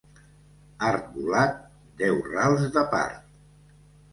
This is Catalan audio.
Art volat, deu rals de part.